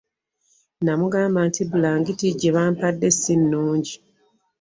Namugamba nti bulangiti gye bampadde ssi nnungi.